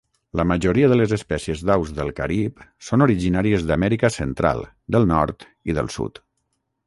La majoria de les espècies d'aus del Carib són originàries d'Amèrica Central, del Nord i del Sud.